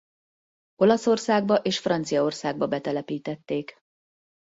Olaszországba és Franciaországba betelepítették.